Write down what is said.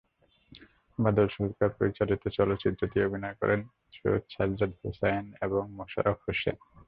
বাদল সরকার পরিচালিত চলচ্চিত্রটিতে অভিনয় করেন সৈয়দ সাজ্জাদ হোসায়েন এবং মোশাররফ হোসেন।